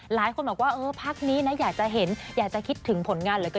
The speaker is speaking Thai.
หลายคนบอกว่าเออพักนี้นะอยากจะเห็นอยากจะคิดถึงผลงานเหลือเกิน